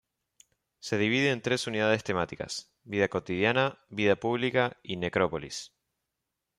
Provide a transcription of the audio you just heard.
Se divide en tres unidades temáticas: vida cotidiana, vida pública y necrópolis.